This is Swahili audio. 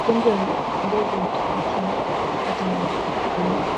Ugonjwa wa ngozi huwapata ngamia